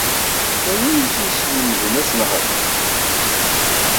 Anwa ay ak-yeslemden ad tnehṛed?